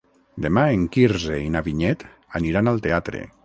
Demà en Quirze i na Vinyet aniran al teatre.